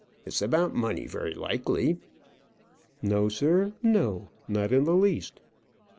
It's about money, very likely?" "No, sir, no; not in the least."